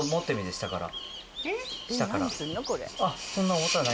下から。